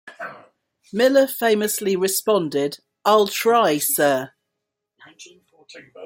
Miller famously responded, "I'll try, Sir".